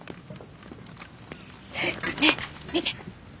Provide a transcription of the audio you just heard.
ねえ見て！